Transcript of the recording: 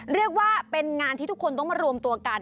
เรียกว่าเป็นงานที่ทุกคนต้องมารวมตัวกัน